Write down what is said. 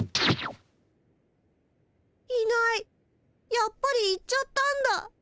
やっぱり行っちゃったんだ。